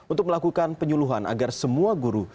untuk melakukan penyuluhan agar semua guru